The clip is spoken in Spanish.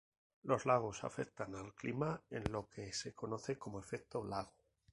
Los lagos afectan al clima en lo que se conoce como efecto lago.